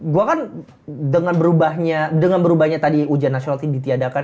gue kan dengan berubahnya tadi ujian nasionality ditiadakan